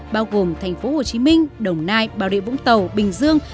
bao gồm thành phố hồ chí minh đồng nai bảo địa vũng tàu bình dương